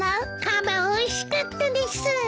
かばおいしかったです。